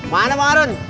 mana pak arun